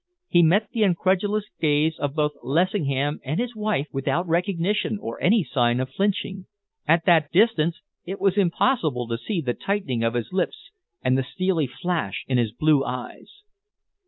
He met the incredulous gaze both of Lessingham and his wife without recognition or any sign of flinching. At that distance it was impossible to see the tightening of his lips and the steely flash in his blue eyes.